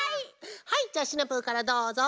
はいじゃあシナプーからどうぞ。